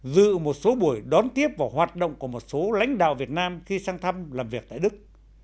dự một số buổi đón tiếp và hoạt động của một số lãnh đạo việt nam khi sang thăm làm việc tại đức